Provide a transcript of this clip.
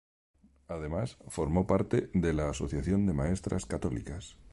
Además, formó parte de la Asociación de Maestras Católicas.